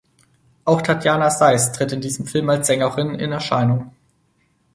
Auch Tatjana Sais tritt in diesem Film als Sängerin in Erscheinung.